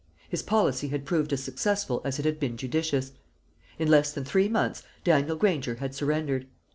His policy had proved as successful as it had been judicious. In less than three months Daniel Granger had surrendered.